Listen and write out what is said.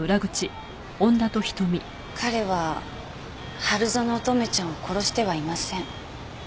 彼は春薗乙女ちゃんを殺してはいません。